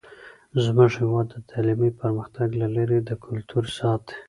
زموږ هیواد د تعلیمي پرمختګ له لارې د کلتور ساتئ.